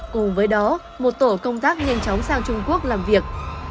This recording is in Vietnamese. cùng với đó một tổ công tác nhanh chóng sang trung quốc làm việc